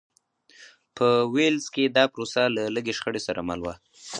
په ویلز کې دا پروسه له لږې شخړې سره مل وه.